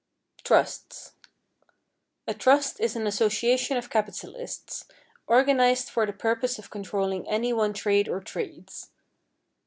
=Trusts.= A trust is an association of capitalists, organized for the purpose of controlling any one trade or trades.